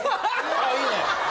ああいいね。